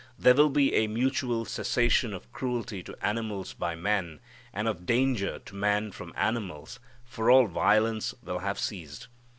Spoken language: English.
There will be a mutual cessation of cruelty to animals by man and of danger to man from animals, for all violence will have ceased.